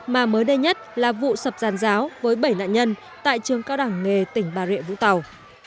mà mới đây nhất là vụ sập giàn giáo với bảy nạn nhân tại trường cao đẳng nghề tỉnh bà rịa vũng tàu